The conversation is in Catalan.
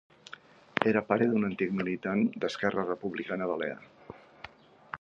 Era pare d'un antic militant d'Esquerra Republicana Balear.